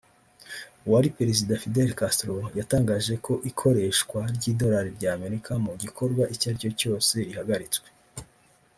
uwari perezida Fidel Castro yatangaje ko Ikoreshwa ry’idolari rya Amerika mu gikorwa icyo aricyo cyose rihagaritswe